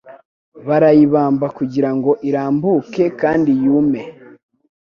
bakayibamba kugirango irambuke kandi yume.